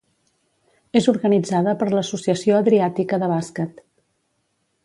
És organitzada per l'Associació Adriàtica de Bàsquet.